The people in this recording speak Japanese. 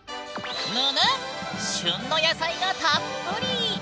ぬぬっ旬の野菜がたっぷり！